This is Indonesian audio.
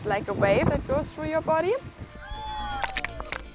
yaitu seperti bintang yang berjalan melalui badanmu